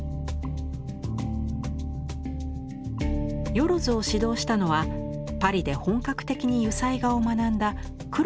萬を指導したのはパリで本格的に油彩画を学んだ黒田清輝。